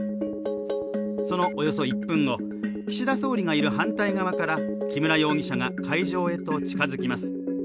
そのおよそ１分後、岸田総理がいる反対側から木村容疑者が会場へと近づきます。